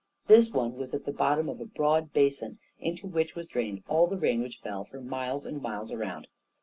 This one was at the bottom of a broad basin into which was drained all the rain which fell for miles and miles around.